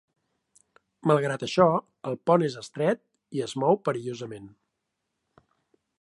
Malgrat això, el pont és estret i es mou perillosament.